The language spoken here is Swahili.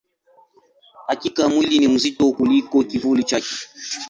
Hakika, mwili ni mzito kuliko kivuli chake.